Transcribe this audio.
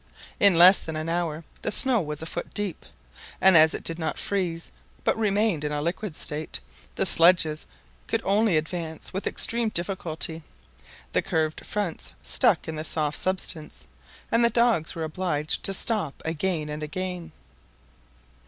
In less than an hour the snow was a foot deep, and as it did not freeze but remained in a liquid state, the sledges could only advance with extreme difficulty; the curved fronts stuck in the soft substance, and the dogs were obliged to stop again and again.